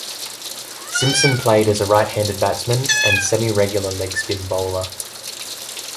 Simpson played as a right-handed batsman and semi-regular leg spin bowler.